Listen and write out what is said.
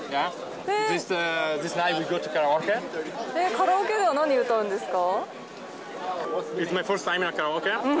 カラオケでは何を歌うんですか？